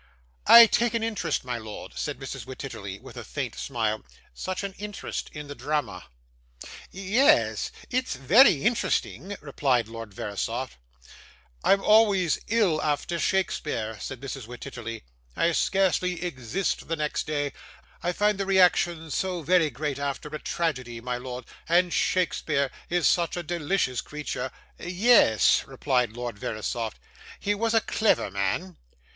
'I take an interest, my lord,' said Mrs. Wititterly, with a faint smile, 'such an interest in the drama.' 'Ye es. It's very interesting,' replied Lord Verisopht. 'I'm always ill after Shakespeare,' said Mrs. Wititterly. 'I scarcely exist the next day; I find the reaction so very great after a tragedy, my lord, and Shakespeare is such a delicious creature.' 'Ye es!' replied Lord Verisopht. 'He was a clayver man.